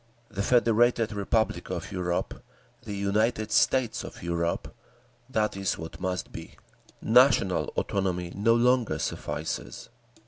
The Federated Republic of Europe—the United States of Europe—that is what must be. National autonomy no longer suffices.